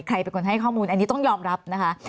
ใครเป็นคนให้ข้อมูลอันนี้ต้องยอมรับนะคะ